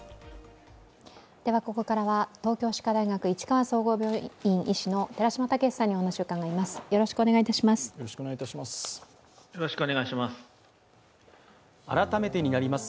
ここからは東京歯科大学市川総合病院医師の寺嶋毅さんにお話を伺います。